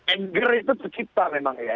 anger itu tercipta memang ya